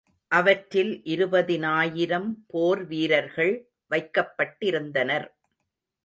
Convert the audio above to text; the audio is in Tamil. அவற்றில் இருபதினாயிரம் போர் வீரர்கள் வைக்கப்பட்டிருந்தனர்.